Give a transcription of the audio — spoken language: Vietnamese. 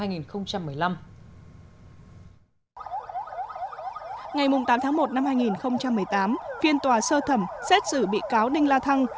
ngày tám tháng một năm hai nghìn một mươi tám phiên tòa sơ thẩm xét xử bị cáo đinh la thăng